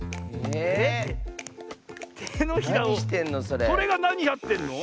それがなにやってんの？